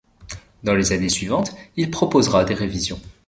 Dans les années suivantes, il proposera des révisions.